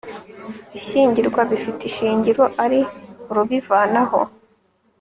ishyingirwa bifite ishingiro ari urubivanaho